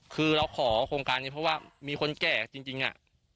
คือเราขอโครงการนี้เพราะว่ามีคนแก่จริงอะ